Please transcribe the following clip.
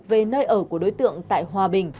về nơi ở của đối tượng tại hòa bình